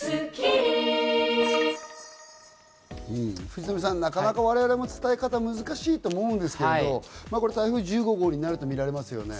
藤富さん、なかなか我々も使い方が難しいと思うんですけど、台風１５号になるとみられますね。